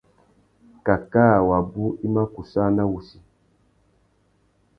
Cacā wabú i má kussāna wussi.